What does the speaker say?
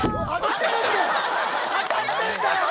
当たってんだよ！